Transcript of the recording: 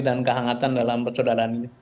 dan kehangatan dalam persaudaraan ini